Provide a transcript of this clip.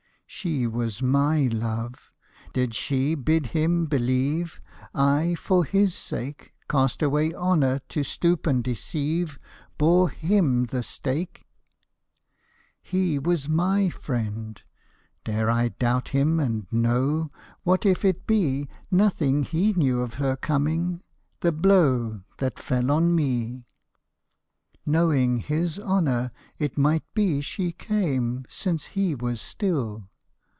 She was my love : did she bid him believe I for his sake Cast away honour to stoop and deceive, Bore him the stake ? He was my friend : dare I doubt him and know ? "What if it be Nothing he knew of her coming — the blow That fell on me ? Knowing his honour, it might be she came, Since he was still.